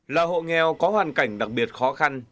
là hộ nghèo có hoàn cảnh đặc biệt khó khăn